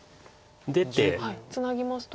ツナぎますと。